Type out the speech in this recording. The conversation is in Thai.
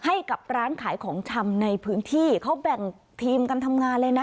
ให้กับร้านขายของชำในพื้นที่เขาแบ่งทีมกันทำงานเลยนะ